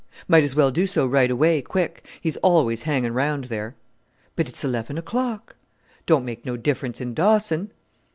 "Might as well do so right away, quick; he's always hangin' round there." "But it's eleven o'clock." "Don't make no difference in Dawson."